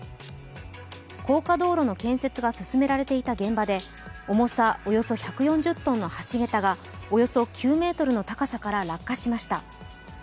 高架道路の建設が進められていた現場で重さおよそ１４０ｔの橋桁がおよそ９ｍの高さから落下しました。